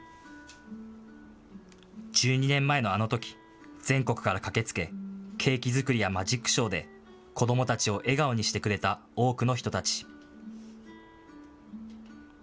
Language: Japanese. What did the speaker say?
１２年前のあのとき全国から駆けつけケーキ作りやマジックショーで子どもたちを笑顔にしてくれた多くの人たち。